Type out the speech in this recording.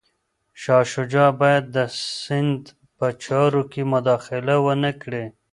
شاه شجاع باید د سند په چارو کي مداخله ونه کړي.